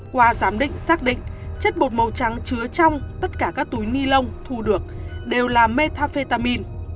qua giám định xác định chất bột màu trắng chứa trong tất cả các túi ni lông thu được đều là metafetamin